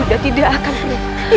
ibu tidak akan berhenti